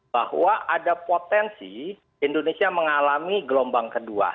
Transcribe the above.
bahwa ada potensi indonesia mengalami gelombang kedua